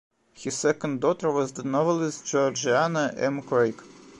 His second daughter was the novelist Georgiana M. Craik.